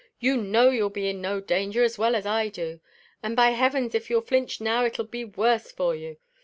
You know you'll be in no danger, as well as I do; and by heavens if you flinch now it'll be worse for you.